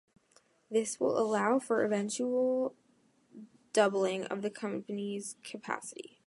This will allow for eventual doubling of the company's capacity.